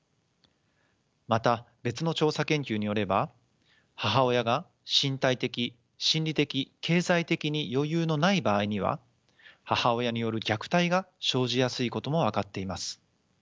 また別の調査研究によれば母親が身体的・心理的・経済的に余裕のない場合には母親による虐待が生じやすいことも分かっています。